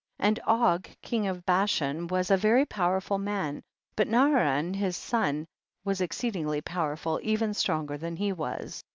And Og king of Bashan was a very powerful man, but Naaron his son was exceedingly powerful, even stronger than he was.